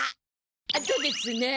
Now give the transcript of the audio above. あとですね！